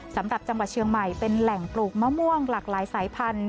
จังหวัดเชียงใหม่เป็นแหล่งปลูกมะม่วงหลากหลายสายพันธุ